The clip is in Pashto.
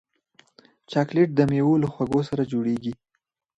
چاکلېټ د میوو له خوږو سره جوړېږي.